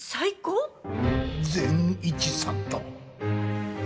善一さんと。